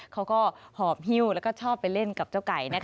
เขาก็หอบฮิ้วแล้วก็ชอบไปเล่นกับเจ้าไก่